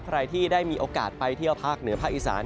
ใครที่ได้มีโอกาสไปเที่ยวภาคเหนือภาคอีสาน